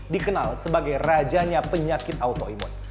dikenal sebagai rajanya penyakit autoimun